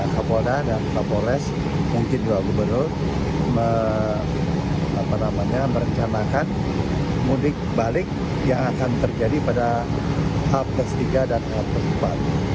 kapolda dan kapoles mungkin dua gubernur merencanakan mudik balik yang akan terjadi pada abad ke tiga dan abad ke empat